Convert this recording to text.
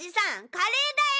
カレーだよ！